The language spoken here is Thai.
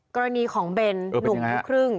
กรณีของเบนหนุ่มลูกครึ่ง